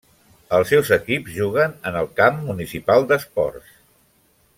Els seus equips juguen en el Camp Municipal d'Esports.